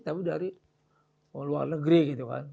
tapi dari luar negeri gitu kan